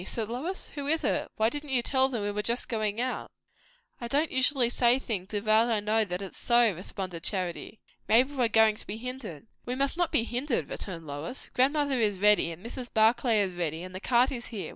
said Lois. "Who is it? why didn't you tell them we were just going out?" "I don't usually say things without I know that it's so," responded Charity. "Maybe we're going to be hindered." "We must not be hindered," returned Lois. "Grandmother is ready, and Mrs. Barclay is ready, and the cart is here.